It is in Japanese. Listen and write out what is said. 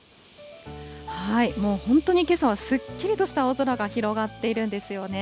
もう本当にけさはすっきりとした青空が広がっているんですよね。